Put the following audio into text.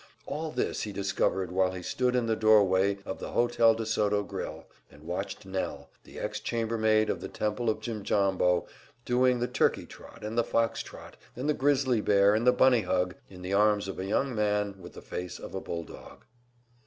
All this he discovered while he stood in the doorway of the Hotel de Soto grill, and watched Nell, the ex chambermaid of the Temple of Jimjambo, doing the turkey trot and the fox trot and the grizzly bear and the bunny hug in the arms of a young man with the face of a bulldog.